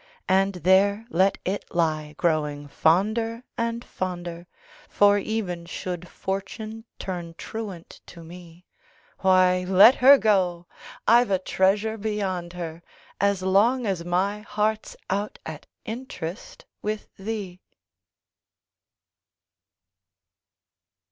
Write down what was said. And there let it lie, growing fonder and, fonder For, even should Fortune turn truant to me, Why, let her go I've a treasure beyond her, As long as my heart's out at interest With thee!